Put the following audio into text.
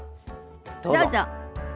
どうぞ。